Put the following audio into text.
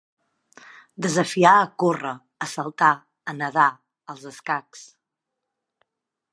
Desafiar a córrer, a saltar, a nedar, als escacs.